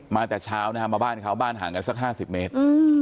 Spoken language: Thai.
มาแต่เช้านะฮะมาบ้านเขาบ้านห่างกันสัก๕๐เมตร